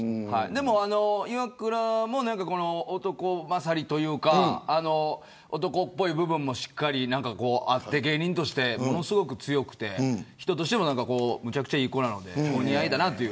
でも、イワクラも男勝りというか男っぽい部分もしっかりあって芸人として、ものすごく強くて人としても、むちゃくちゃいい子なので、お似合いだなと。